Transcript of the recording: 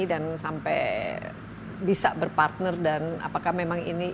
dan sampai bisa berpartner dan apakah memang ini